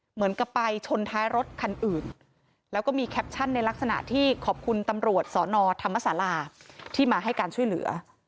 เหมือนกับไปชนท้ายรถคันอื่นแล้วก็มีแคปชั่นในลักษณะที่ขอบคุณตำรวจสนธรรมศาลาที่มาให้การช่วยเหลือ